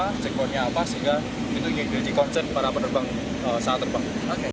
sehingga itu yang di concent pada penerbang saat terbang